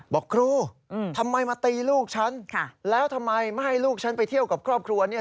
บอกครูทำไมมาตีลูกฉันแล้วทำไมไม่ให้ลูกฉันไปเที่ยวกับครอบครัวเนี่ย